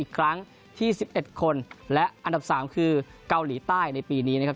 ครั้งที่๑๑คนและอันดับ๓คือเกาหลีใต้ในปีนี้นะครับ